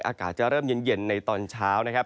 อากาศจะเริ่มเย็นในตอนเช้านะครับ